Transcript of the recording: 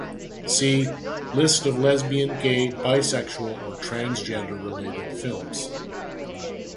See: List of lesbian, gay, bisexual or transgender-related films.